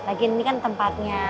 lagian ini kan tempatnya